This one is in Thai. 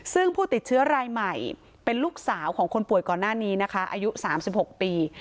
ซึ่งผู้ติดเชื้อรายใหม่เป็นลูกสาวของคนป่วยก่อนหน้านี้นะคะอายุ๓๖ปี